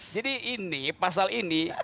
jadi ini pasal ini